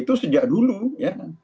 itu sejak dulu ya